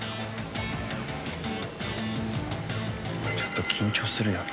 ちょっと緊張するよな。